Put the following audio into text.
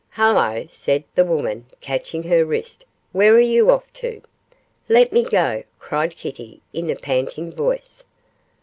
'Hullo!' said the woman, catching her wrist, 'where are you off to?' 'Let me go,' cried Kitty, in a panting voice.